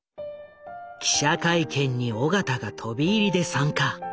記者会見に緒方が飛び入りで参加。